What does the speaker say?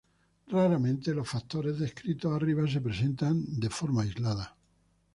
Raramente los factores descriptos arriba se presentan en forma aislada.